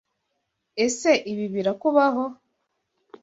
Ese ibi birakubaho?